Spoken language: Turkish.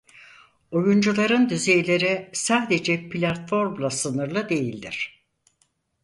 Oyuncuların düzeyleri sadece platformla sınırlı değildir.